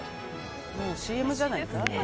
もうＣＭじゃないか？